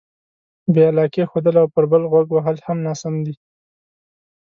بې علاقې ښودل او پر بل غوږ وهل هم ناسم دي.